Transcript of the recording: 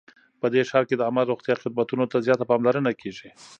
په دې ښار کې د عامه روغتیا خدمتونو ته زیاته پاملرنه کیږي